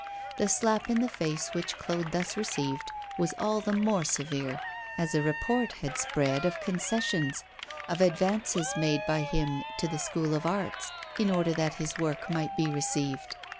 The slap in the face which Claude thus received was all the more severe, as a report had spread of concessions, of advances made by him to the School of Arts, in order that his work might be received.